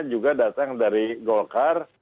juga datang dari golkar